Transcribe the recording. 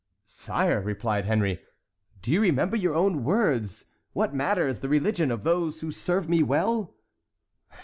"Sire," replied Henry, "do you remember your own words, 'What matters the religion of those who serve me well'?"